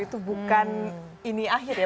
itu bukan ini akhirnya